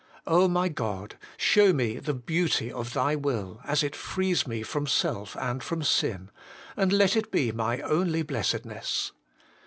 O my God ! show me the beauty of Thy will, as it frees me from self and from sin, and let it be my only blessedness.